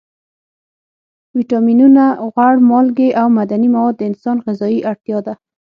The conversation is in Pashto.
ویټامینونه، غوړ، مالګې او معدني مواد د انسان غذایي اړتیا ده.